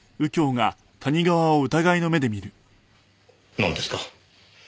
なんですか？